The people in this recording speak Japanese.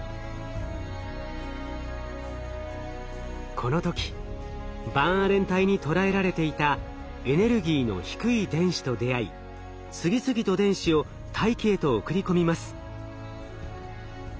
この時バンアレン帯にとらえられていたエネルギーの低い電子と出会い次々と電子を大気へと送り込みます。